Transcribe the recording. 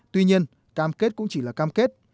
tuy nhiên cam kết cũng chỉ là cam kết